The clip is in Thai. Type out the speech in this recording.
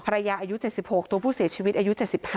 อายุ๗๖ตัวผู้เสียชีวิตอายุ๗๕